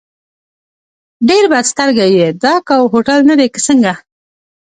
ډېر بد سترګی یې، دا کاوور هوټل نه دی که څنګه؟